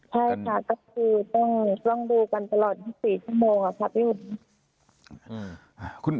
ใช่ค่ะก็คือต้องดูกันตลอด๒๔ชั่วโมงค่ะพี่อุ๋ย